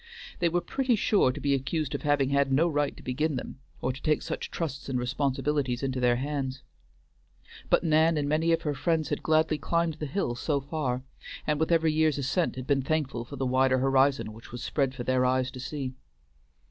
They were pretty sure to be accused of having had no right to begin them, or to take such trusts and responsibilities into their hands. But Nan and many of her friends had gladly climbed the hill so far, and with every year's ascent had been thankful for the wider horizon which was spread for their eyes to see.